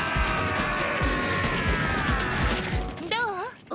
どう？